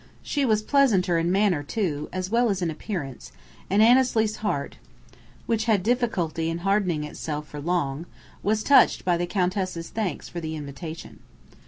She was pleasanter in manner, too, as well as in appearance; and Annesley's heart which had difficulty in hardening itself for long was touched by the Countess's thanks for the invitation.